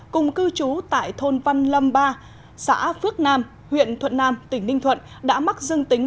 cùng cư trú tại thôn văn lâm ba xã phước nam huyện thuận nam tỉnh ninh thuận đã mắc dương tính